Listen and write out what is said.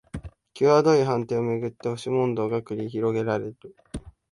きわどい判定をめぐって押し問答が繰り広げられる